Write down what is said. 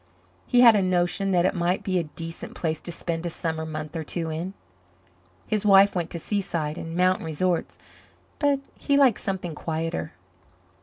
He had a notion that it might be a decent place to spend a summer month or two in. His wife went to seaside and mountain resorts, but he liked something quieter.